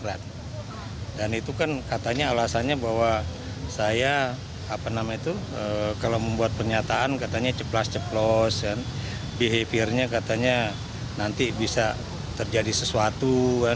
jadi behaviornya katanya nanti bisa terjadi sesuatu